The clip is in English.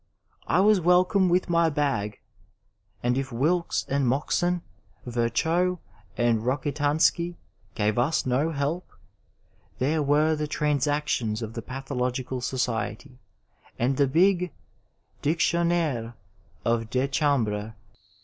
I was welcome with my bag, and if Wilks and Moxon, Yirchow, or Roldtanski gave us no help, there were the Transactions of the Pathological Society and the big JDu^tbnnaire of Dechambre.